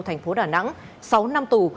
tp đà nẵng sáu năm tù